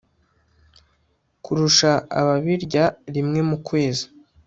kurusha ababirya rimwe mu kwezi